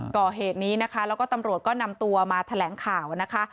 ก่อเหตุนี้นะคะแล้วก็ตำรวจก็นำตัวมาแถลงข่าวนะคะ